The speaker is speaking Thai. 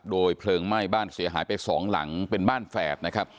โดยเพลิงไหม้บ้านเสียหายไปสองหลังเป็นบ้านแฝดนะครับ